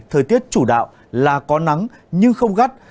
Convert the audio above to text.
thời tiết chủ đạo là có nắng nhưng không gắt